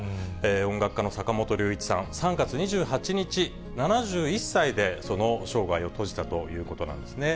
音楽家の坂本龍一さん、３月２８日、７１歳でその生涯を閉じたということなんですね。